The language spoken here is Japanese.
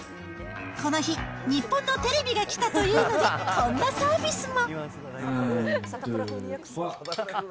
この日、日本のテレビが来たというので、こんなサービスも。